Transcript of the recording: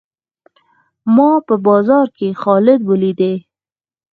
ما په بازار کښي خالد وليدئ.